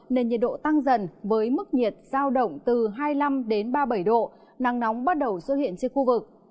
nên nhiệt độ tăng dần với mức nhiệt giao động từ hai mươi năm đến ba mươi bảy độ nắng nóng bắt đầu xuất hiện trên khu vực